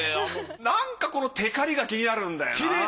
なんかこのテカリが気になるんだよなぁ。